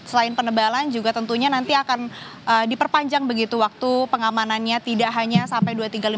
selain penebalan juga tentunya nanti akan diperpanjang begitu waktu pengamanannya tidak hanya sampai dua tiga lima puluh